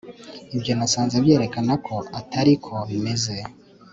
Ibyo nasanze byerekana ko atari ko bimeze